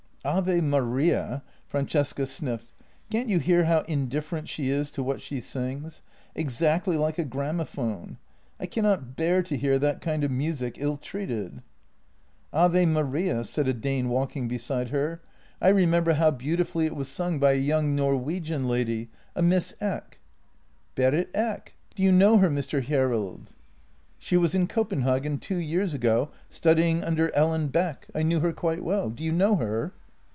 " Ave Maria." Francesca sniffed. " Can't you hear how indifferent she is to what she sings — exactly like a gramophone? I cannot bear to hear that kind of music ill treated." " Ave Maria," said a Dane walking beside her —" I remem 70 JENNY ber how beautifully it was sung by a young Norwegian lady — a Miss Eck." "Berit Eck. Do you know her, Mr. Hjerrild?" " She was in Copenhagen two years ago studying under Ellen Beck. I knew her quite well. Do you know her?